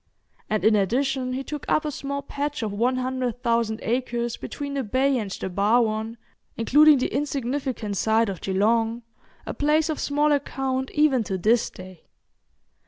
And in addition he took up a small patch of one hundred thousand acres between the bay and the Barwon, including the insignificant site of Geelong, a place of small account even to this day.